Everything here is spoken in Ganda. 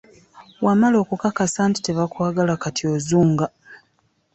Wamala okukasa nti tebakwagala kati ozunga.